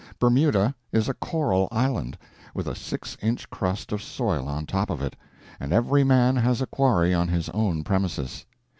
Bermuda is a coral island, with a six inch crust of soil on top of it, and every man has a quarry on his own premises.